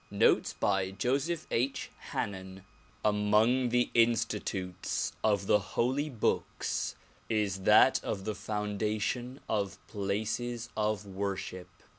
Notes by Joseph H. Hannen AMONG the institutes of the holy books is that of the foundation of places of worship.